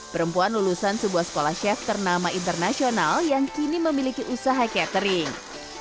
perempuan lulusan sebuah sekolah chef ternama internasional yang kini memiliki usaha catering